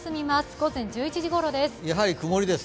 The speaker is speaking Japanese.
午前１１時頃です。